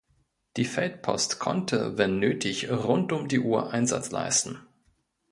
Die Feldpost konnte wenn nötig rund um die Uhr Einsatz leisten.